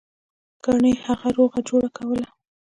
ګنې هغه روغه جوړه کوله.